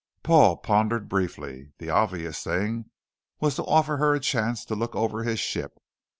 Paul pondered briefly. The obvious thing was to offer her a chance to look over his ship.